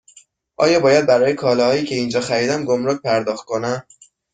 آیا باید برای کالاهایی که اینجا خریدم گمرگ پرداخت کنم؟